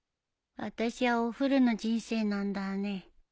私はお古の人生なんだね。